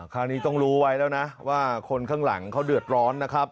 คราวนี้ต้องรู้ไว้แล้วนะว่าคนข้างหลังเขาเดือดร้อนนะครับ